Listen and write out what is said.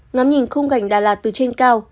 ngắm nhìn khung cảnh đà lạt từ trên cao